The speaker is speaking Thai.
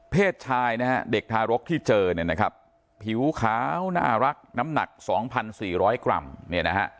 เพศชายเด็กทารกที่เจอผิวขาวน่ารักน้ำหนัก๒๔๐๐กรัม